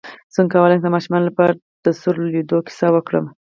څنګه کولی شم د ماشومانو لپاره د سور لویدو کیسه وکړم